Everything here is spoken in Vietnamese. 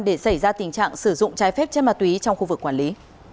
để xảy ra tình trạng sử dụng trái phép chất ma túy trong khu vực quản lý